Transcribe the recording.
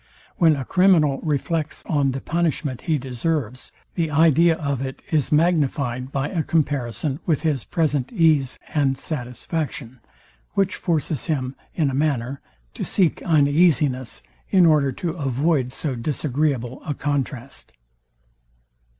When a criminal reflects on the punishment he deserves, the idea of it is magnifyed by a comparison with his present ease and satisfaction; which forces him, in a manner, to seek uneasiness, in order to avoid so disagreeable a contrast.